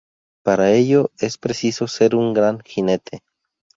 Para ello es preciso ser un gran jinete.